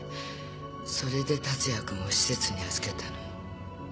それで達也君を施設に預けたの？